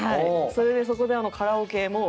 それでそこでカラオケも。